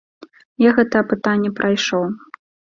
Я гэта апытанне прайшоў.